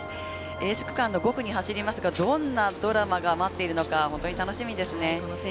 エース区間の５区を走りますが、どんなドラマが待っているのか本当に楽しみですね。